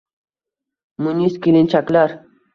Munis kelinchaklar